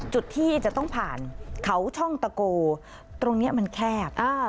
จุดที่จะต้องผ่านเขาช่องตะโกตรงนี้มันแคบ